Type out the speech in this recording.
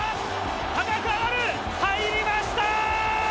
入りました！